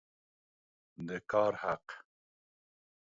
د کار حق